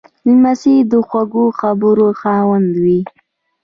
لمسی د خوږو خبرو خاوند وي.